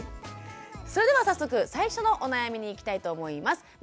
それでは早速最初のお悩みにいきたいと思います。